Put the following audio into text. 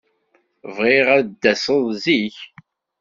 Bɣiɣ ad d-taseḍ zik.